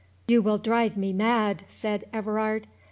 "You will drive me mad," said Everard.